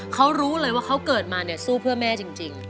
เขารู้เลยว่าเขาเกิดมาเนี่ยสู้เพื่อแม่จริง